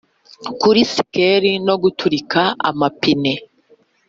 kuri sikeli no guturika amapine.